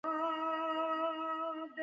خور تل د پاکو جامو شوق لري.